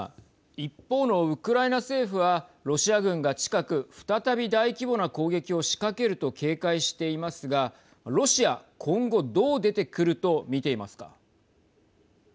一方のウクライナ政府はロシア軍が近く再び大規模な攻撃を仕掛けると警戒していますがロシア、今後どう出てくると見ていますか。